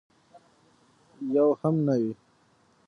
یو هم نه وي.